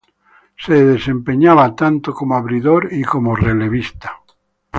Se desempeñaba tanto como abridor y como relevista.